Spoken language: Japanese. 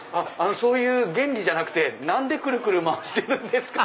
そういう原理じゃなくて何でくるくる回してるんですか？